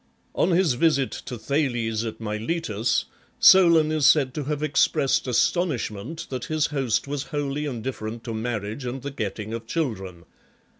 VI. On his visit to Thales at Miletus, Solon is said to have expressed astonishment that his host was wholly indifferent to marriage and the getting of children.